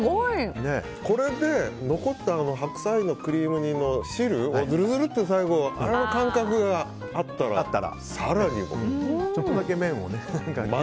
これで残った白菜のクリーム煮の汁をずるずるって最後吸うあの感覚があったらちょっとだけ麺をね。